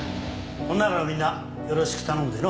ほんならみんなよろしく頼むでの。